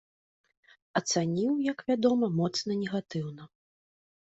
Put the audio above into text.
Ацаніў, як вядома, моцна негатыўна.